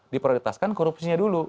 diprioritaskan korupsinya dulu